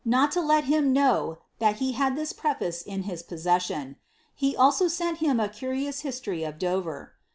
h not to let him know that he had thi:^ prefai e in his posses^iun.' He also feiil him a < url»Tis history of Dover.